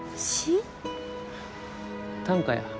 短歌や。